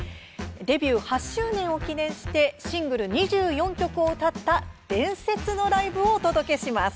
デビュー８周年を記念してシングル２４曲を歌った伝説のライブをお届けします。